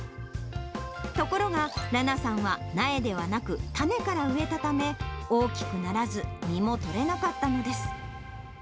ところが、羅名さんは苗ではなく、種から植えたため、大きくならず、実も取れなかったのです。